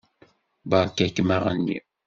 Beṛka-kem aɣenni.